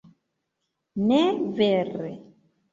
Ne vere.